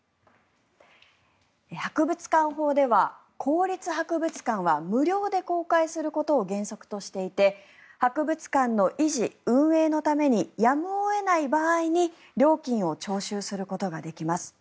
博物館法では公立博物館は無料で公開することを原則としていて博物館の維持・運営のためにやむを得ない場合に料金を徴収することができます。